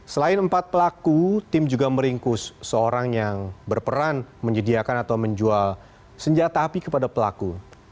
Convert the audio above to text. selain empat pelaku tim juga meringkus seorang yang berperan menyediakan atau menjual senjata api kepada pelaku